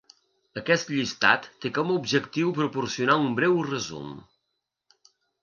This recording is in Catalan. Aquest llistat té com a objectiu proporcionar un breu resum.